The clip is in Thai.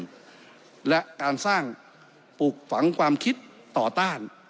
และประเทศอื่นและการสร้างปลูกฝังความคิดต่อต้าน